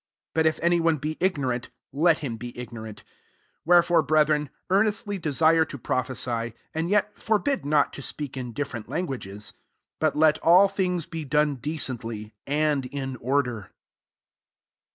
38 But if any one be ignorant, let him be ignorant. 39 Wherefore, brctli ren, earnestly desire to prophe sy ; and yet forbid not to speak in' different languages. 40 But let all things be done decently, and in order.